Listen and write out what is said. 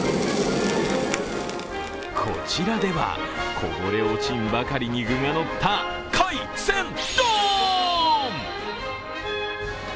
こちらでは、こぼれ落ちんばかりに具が乗った海鮮丼。